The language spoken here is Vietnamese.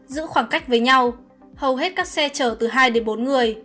giữ khoảng cách với nhau hầu hết các xe chở từ hai đến bốn người